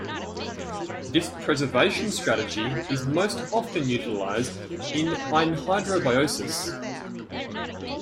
This preservation strategy is most often utilized in anhydrobiosis.